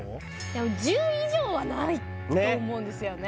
でも１０以上はないと思うんですよね